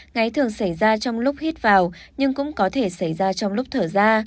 ngáy thường xảy ra trong lúc hít vào nhưng cũng có thể xảy ra trong lúc thở ra